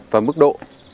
và mức độ